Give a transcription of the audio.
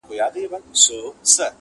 ورمعلومي وې طالع د انسانانو٫